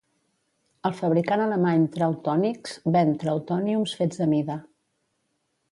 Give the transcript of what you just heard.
El fabricant alemany Trauntoniks ven Trautòniums fets a mida.